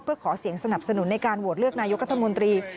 เพื่อขอเสียงสนับสนุนในการโหวตเลือกนายกรัฐมนตรี